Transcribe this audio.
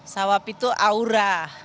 sawap itu aura